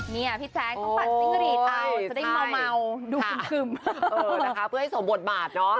เนี่ยพี่แจ๊งต้องปั่นซิงเวอรีดอ่าวจะได้เมาดูขึ้นขึ้นเออนะคะเพื่อให้สมบวชบาตรเนาะ